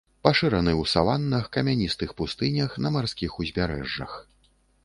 Пашыраны ў саваннах, камяністых пустынях, на марскіх узбярэжжах.